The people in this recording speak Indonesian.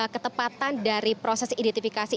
ketepatan dari proses identifikasi